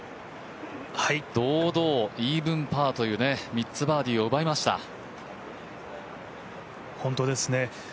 堂々、イーブンパーという３つバーディーを奪いました。